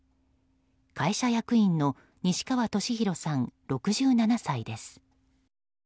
会社役員の西川俊宏さん、６７歳です。